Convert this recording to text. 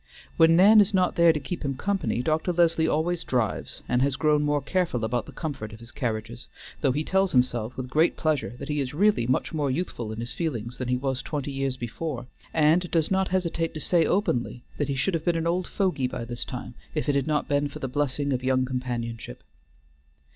When Nan is not there to keep him company, Dr. Leslie always drives, and has grown more careful about the comfort of his carriages, though he tells himself with great pleasure that he is really much more youthful in his feelings than he was twenty years before, and does not hesitate to say openly that he should have been an old fogy by this time if it had not been for the blessing of young companionship.